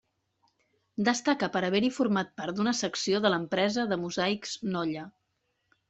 Destaca per haver-hi format part d'una secció de l'empresa de mosaics Nolla.